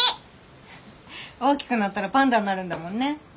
大きくなったらパンダになるんだもんね。